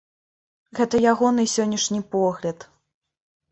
Гэта ягоны сённяшні погляд!